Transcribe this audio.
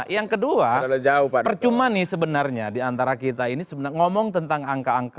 yang kedua percuma nih sebenarnya diantara kita ini sebenarnya ngomong tentang angka angka